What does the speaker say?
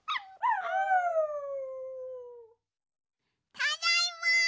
ただいま！